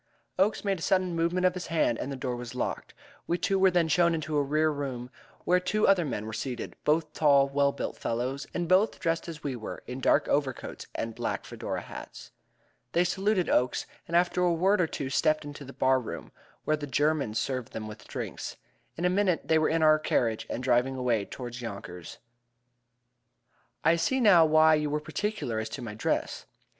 Oakes made a sudden movement of his hand, and the door was locked. We two were then shown into a rear room where two other men were seated both tall, well built fellows, and both dressed as we were, in dark overcoats and black Fedora hats. They saluted Oakes, and after a word or two stepped into the bar room, where the German served them with drinks. In a minute they were in our carriage and driving away toward Yonkers. "I see now why you were particular as to my dress."